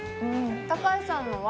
高橋さんのは？